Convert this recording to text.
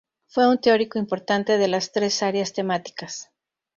Fue un teórico importante de las tres áreas temáticas.